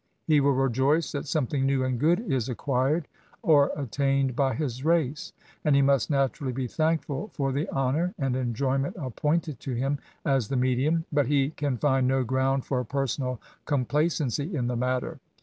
He will rejoice that something new and good is acquired or attained by his race ; and he must naturally be thankful for die honour and enjoy ment appointed to him as the medium : but he can' find no ground for personal complacency in thie matter.